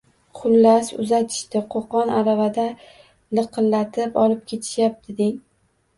Xullas, uzatishdi. Qoʼqon aravada liqirlatib olib ketishyapti, deng!